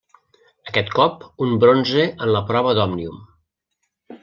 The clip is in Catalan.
Aquest cop un bronze en la prova d'Òmnium.